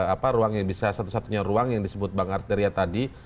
apa ruangnya bisa satu satunya ruang yang disebut bank arteria tadi